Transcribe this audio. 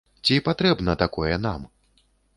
Ці патрэбна такое нам?